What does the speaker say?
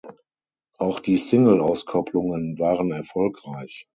Auch die Singleauskopplungen waren erfolgreich.